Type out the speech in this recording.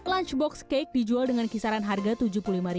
lunchbox cake dijual dengan kisaran harga rp tujuh puluh lima